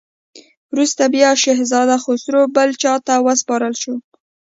وروسته بیا شهزاده خسرو بل چا ته وسپارل شو.